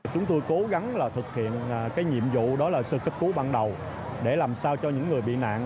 chúng tôi cố gắng thực hiện nhiệm vụ sơ cấp cứu ban đầu để làm sao cho những người bị nạn